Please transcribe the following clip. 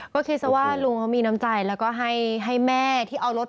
ก็คิดซะว่าลุงเขามีน้ำใจแล้วก็ให้แม่ที่เอารถ